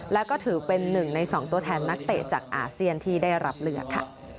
แล้วก็ถือเป็นหนึ่งใน๒ตัวแทนนักเตะจากอาเซียนที่ได้รับเลือกค่ะ